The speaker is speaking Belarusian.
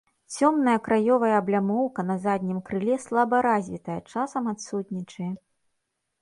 Цёмная краёвая аблямоўка на заднім крыле слаба развітая, часам адсутнічае.